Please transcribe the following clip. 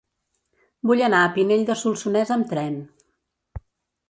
Vull anar a Pinell de Solsonès amb tren.